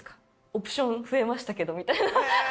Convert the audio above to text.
オプション増えましたけど」みたいな。